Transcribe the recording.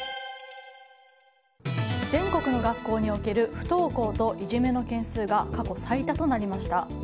全国の学校における不登校といじめの件数が過去最多となりました。